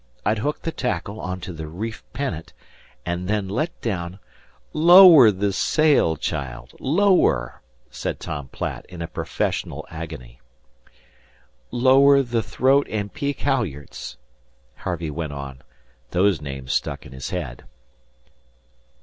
I'd hook the tackle on to the reef pennant, and then let down " "Lower the sail, child! Lower!" said Tom Platt, in a professional agony. "Lower the throat and peak halyards," Harvey went on. Those names stuck in his head.